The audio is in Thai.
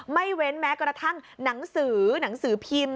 ไม่เว้นแม้กระทั่งหนังสือหนังสือพิมพ์